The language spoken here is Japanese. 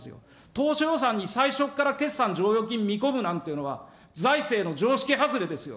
当初予算に最初っから決算剰余金見込むなんていうのは、財政の常識外れですよ。